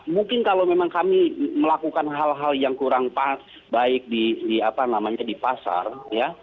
mungkin kalau memang kami melakukan hal hal yang kurang baik di pasar ya